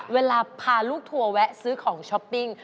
เวลาพาลูกทัวร์แวะซื้อของช้อปปิ้ง